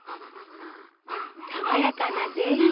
さわやかなゼリー！